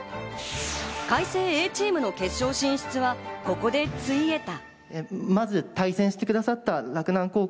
開成Ａチームの決勝進出は、ここでついえた。